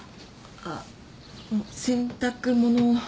あっ洗濯物